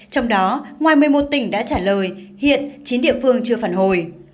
trong đó ngoài một mươi một tỉnh đã trả lời hiện chín địa phương chưa phản hồi